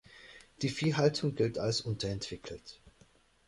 Die Viehhaltung gilt als unterentwickelt.